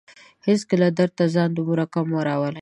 هيڅکله درد ته ځان دومره کم مه راولئ